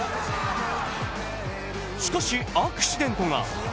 しかし、アクシデントが。